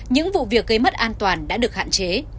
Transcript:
những vụ việc gây mất an toàn đã được hạn chế